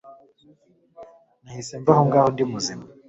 Nahise mva aho ngaho ndi muzima